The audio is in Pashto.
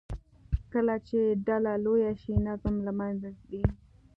کله چې ډله لویه شي، نظم له منځه ځي.